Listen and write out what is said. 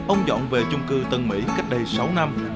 ông dọn về chung cư tân mỹ cách đây sáu năm